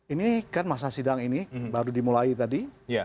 ini kan masa sidang ini baru dimulai tadi